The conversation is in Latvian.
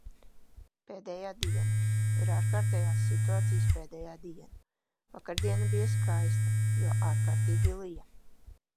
Pēdējā diena. Ir ārkārtējās situācijas pēdējā diena. Vakardiena bija skaista, jo ārkārtīgi lija.